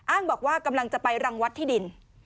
บอกว่ากำลังจะไปรังวัดที่ดิน